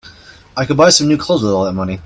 I could buy some new clothes with all that money.